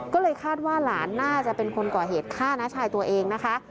ก็เลยคาดว่าหลานน่าจะเป็นคนก่อเหตุฆ่าน้าชายตัวเองนะคะ